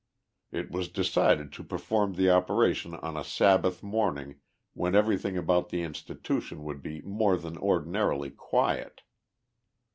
It was decided to perform the operation on a Sabbath morning when everything about the institution would be more than ordinarily quiet.